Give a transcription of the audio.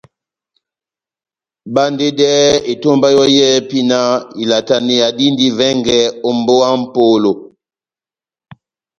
Bandedɛhɛ etomba yɔ́ yɛ́hɛ́pi náh ilataneya dindi vɛngɛ ó mbówa ya mʼpolo !